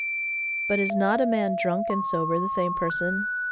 But is not a man drunk and sober the same person?